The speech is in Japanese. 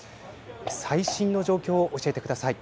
最新の状況を教えてください。